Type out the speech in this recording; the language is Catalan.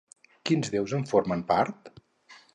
Quins déus en formen part?